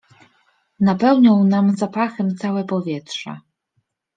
— Napełnią nam zapachem całe powietrze!